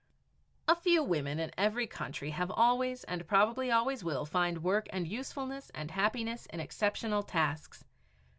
A few women in every country have always and probably always will find work and usefulness and happiness in exceptional tasks.